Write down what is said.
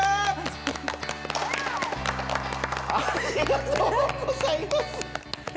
ありがとうございます！え？